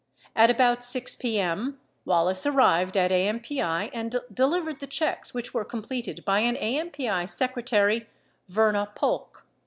At about 6 p.m. Wallace arrived at AMPI and delivered the checks which were completed by an AMPI secretary, Verna Polk.